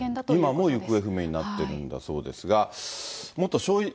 今も行方不明になってるんだそうですが。